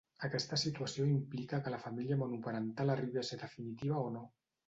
Aquesta situació implica que la família monoparental arribi a ser definitiva o no.